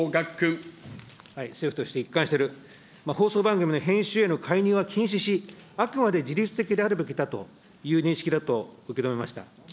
放送番組の編集への介入は禁止し、あくまで自律的であるべきだという認識だと受け止めました。